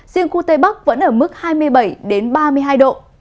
riêng khu tây bắc vẫn ở mức hai mươi bảy ba mươi hai độ